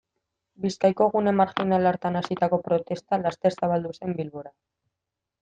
Bizkaiko gune marjinal hartan hasitako protesta laster zabaldu zen Bilbora.